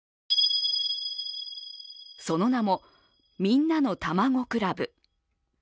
その名も、みんなのたまご倶楽部。